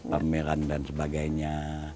pameran dan sebagainya